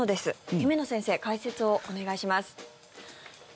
姫野先生、解説をお願いします。